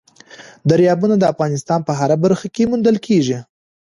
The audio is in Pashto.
دریابونه د افغانستان په هره برخه کې موندل کېږي.